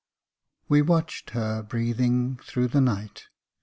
] We watch'd her breathing through the night.